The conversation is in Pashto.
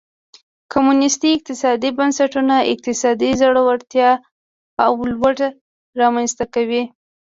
کمونېستي اقتصادي بنسټونو اقتصادي ځوړتیا او لوږه رامنځته کړه.